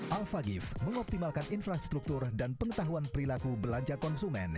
alphagif mengoptimalkan infrastruktur dan pengetahuan perilaku belanja konsumen